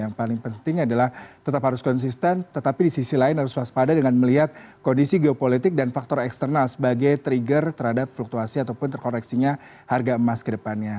yang paling penting adalah tetap harus konsisten tetapi di sisi lain harus waspada dengan melihat kondisi geopolitik dan faktor eksternal sebagai trigger terhadap fluktuasi ataupun terkoreksinya harga emas ke depannya